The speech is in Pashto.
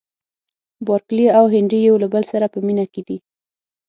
بارکلي او هنري یو له بل سره په مینه کې دي.